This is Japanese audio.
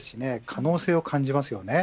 可能性を感じます。